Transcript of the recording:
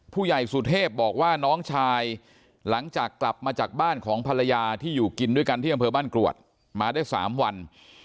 ผู้ใหญ่สุเทพบอกว่าน้องชายหลังจากกลับมาจากบ้านของภรรยาที่อยู่กินด้วยกันที่อำเภอบ้านกรวดมาได้๓วัน